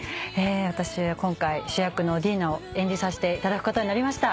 私今回主役のディーナを演じさせていただくことになりました。